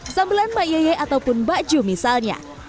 sambelan mbak yeye ataupun bakju misalnya